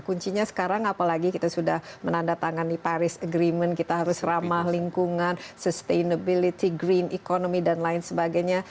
kuncinya sekarang apalagi kita sudah menandatangani paris agreement kita harus ramah lingkungan sustainability green economy dan lain sebagainya